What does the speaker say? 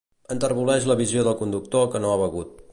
Enterboleix la visió del conductor que no ha begut.